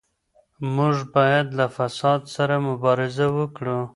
موږ بايد له فساد سره مبارزه وکړو.